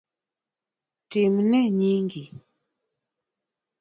Timnie nyingi